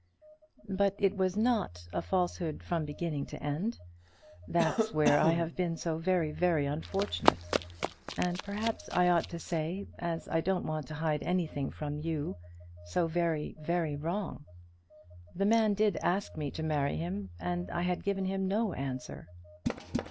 "But it was not a falsehood from beginning to end. That's where I have been so very, very unfortunate; and perhaps I ought to say, as I don't want to hide anything from you, so very, very wrong. The man did ask me to marry him, and I had given him no answer."